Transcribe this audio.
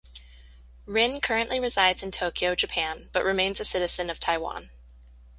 Rin currently resides in Tokyo, Japan, but remains a citizen of Taiwan.